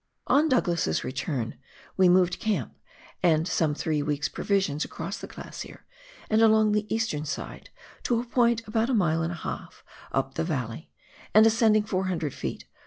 On Douglas's return we moved camp and some three weeks' provisions across the glacier, and along the eastern side, to a point about a mile and a half up the valley, and ascending 400 ft.